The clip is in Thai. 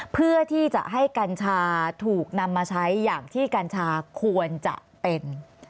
เพื่อที่จะให้กัญชาถูกนำมาใช้อย่างที่กัญชาควรจะเป็น